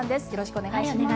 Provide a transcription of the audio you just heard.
お願いします。